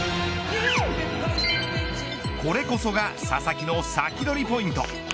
これこそが佐々木のサキドリポイント。